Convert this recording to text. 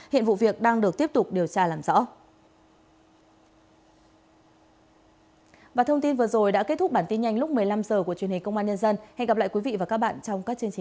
hiện vụ việc đang được tiếp tục điều tra làm rõ